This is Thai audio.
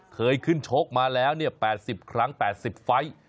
เคยขึ้นชกมาแล้ว๘๐ครั้ง๘๐ไฟล์